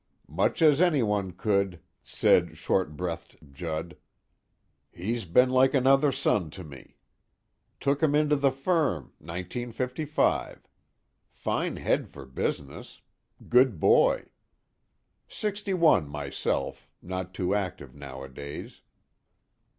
"Much as anyone could," said short breathed Judd, "he's been like another son to me. Took him into the firm, 1955. Fine head for business. Good boy. Sixty one myself, not too active nowadays."